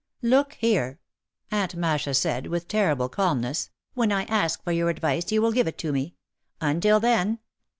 "Look here," Aunt Masha said with terrible calmness, "when I ask for your advice you will give it to me. Until then